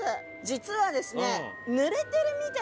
実はですね色が。